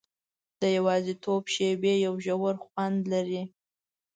د یوازیتوب شېبې یو ژور خوند لري.